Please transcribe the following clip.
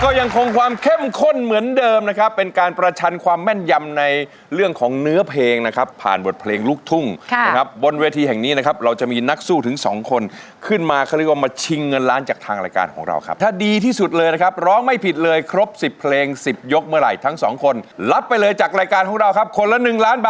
ก็ยังคงความเข้มข้นเหมือนเดิมนะครับเป็นการประชันความแม่นยำในเรื่องของเนื้อเพลงนะครับผ่านบทเพลงลูกทุ่งนะครับบนเวทีแห่งนี้นะครับเราจะมีนักสู้ถึงสองคนขึ้นมาเขาเรียกว่ามาชิงเงินล้านจากทางรายการของเราครับถ้าดีที่สุดเลยนะครับร้องไม่ผิดเลยครบสิบเพลงสิบยกเมื่อไหร่ทั้งสองคนรับไปเลยจากรายการของเราครับคนละหนึ่งล้านบาท